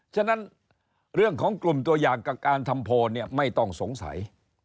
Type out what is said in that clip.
ฉะนั้นเรื่องของกลุ่มตัวอย่างกับการทำโพลเนี่ยไม่ต้องสงสัย